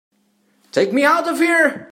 Take me out of here!